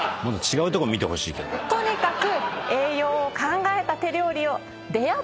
とにかく。